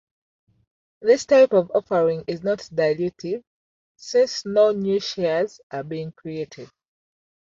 This type of offering is not dilutive, since no new shares are being created.